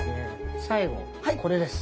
最後これです。